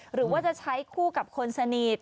หรือว่าจะใช้คู่กับคนสนิท